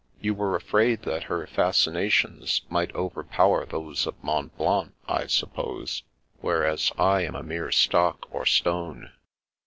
" You were afraid that her fascina tions might overpower those of Mont Blanc, I sup pose, whereas I am a mere stock or stone?